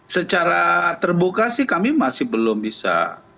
secara terbuka sih kami masih belum bisa